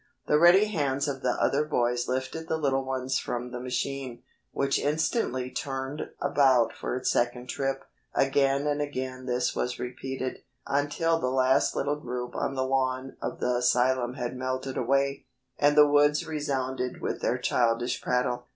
The ready hands of the other boys lifted the little ones from the machine, which instantly turned about for its second trip. Again and again this was repeated, until the last little group on the lawn of the asylum had melted away, and the woods resounded with their childish prattle.